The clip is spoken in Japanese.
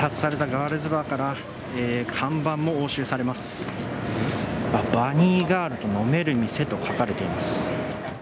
あっ、バニーガールと飲める店と書かれています。